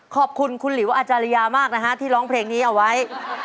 ขอบคุณคุณหลิวอาจารยามากนะฮะที่ร้องเพลงนี้เอาไว้